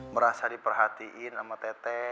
merasa diperhatikan sama teteh